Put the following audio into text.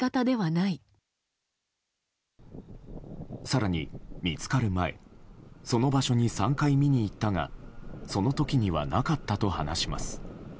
更に、見つかる前その場所に３回見に行ったがその時には、なかったと話します。